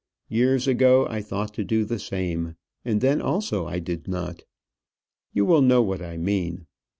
Years ago I thought to do the same, and then also I did not. You will know what I mean.